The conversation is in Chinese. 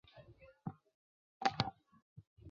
也是该省的首府所在城市。